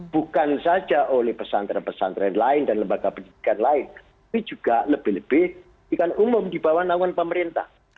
bukan saja oleh pesantren pesantren lain dan lembaga pendidikan lain tapi juga lebih lebih bukan umum di bawah naungan pemerintah